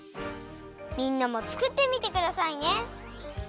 みんなもつくってみてくださいね。